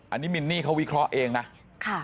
อันนี้มินนี่เขาวิเคราะห์เองนะ